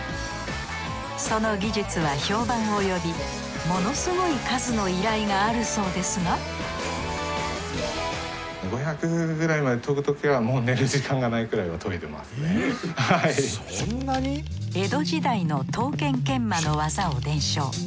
その技術は評判を呼びものすごい数の依頼があるそうですが江戸時代の刀剣研磨の技を伝承。